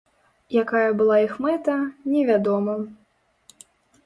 Якая была іх мэта, невядома.